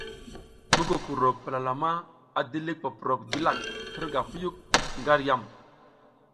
Mukukuro palalama a dilik poprok dilak hirnga puyuk nga ar yam.